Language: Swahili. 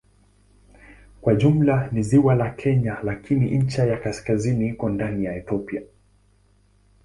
Kwa jumla ni ziwa la Kenya lakini ncha ya kaskazini iko ndani ya Ethiopia.